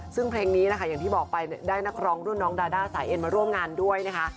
ซึ่งเพลงนี้นะคะอย่างที่บอกไปได้นักร้องรุ่นน้องดาด้าสายเอ็นมาร่วมงานด้วยนะคะ